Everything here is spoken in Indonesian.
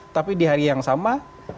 tapi di hari yang sama